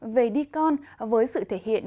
về đi con với sự thể hiện